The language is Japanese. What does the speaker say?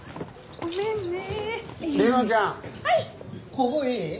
ここいい？